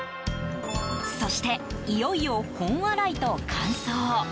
そして、いよいよ本洗いと乾燥。